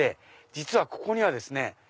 実はここにはですね